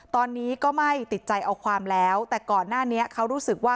ตอนนี้ก็ไม่ติดใจเอาความแล้วแต่ก่อนหน้านี้เขารู้สึกว่า